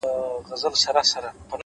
پوه انسان د زده کړې فرصت لټوي,